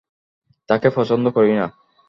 তাকে পছন্দ করি না।